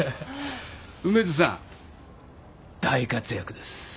梅津さん大活躍です。